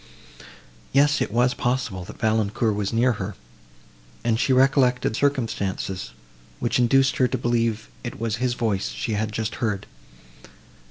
Yes, it was possible, that Valancourt was near her, and she recollected circumstances, which induced her to believe it was his voice she had just heard.